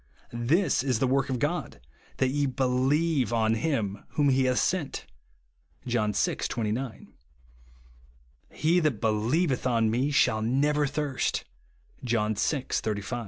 This is the work of God, that ye believe on him whom he hath sent," (John vi. 29). "He that believeth on me shall never thirst," (John vL 35). "This is the 104!